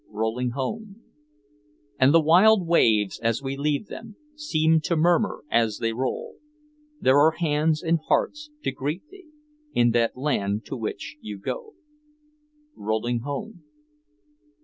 Rolling home.... And the wild waves, as we leave them, Seem to murmur as they roll; There are hands and hearts to greet thee In that land to which you go. Rolling home....